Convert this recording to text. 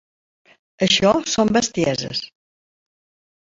Això són bestieses!